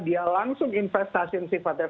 dia langsung investasi sifatnya